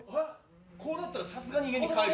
こうなったらさすがに家に帰るよ。